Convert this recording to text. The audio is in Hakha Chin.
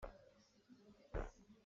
Ruah nih a kan cinh dih.